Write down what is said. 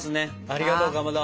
ありがとうかまど。